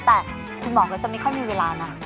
แต่คุณหมอก็จะไม่ค่อยมีเวลานาน